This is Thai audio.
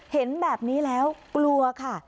เห็นแบบนี้แล้วกลัวค่ะ